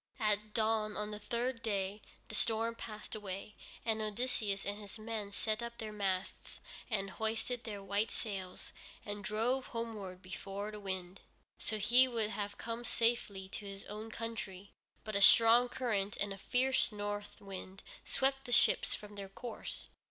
At dawn on the third day, the storm passed away, and Odysseus and his men set up their masts and hoisted their white sails, and drove homeward before the wind. So he would have come safely to his own country, but a strong current and a fierce north wind swept the ships from their course.